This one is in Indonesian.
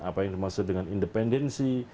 apa yang dimaksud dengan independensi